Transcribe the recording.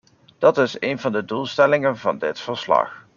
Dat is een van de doelstellingen van dit verslag.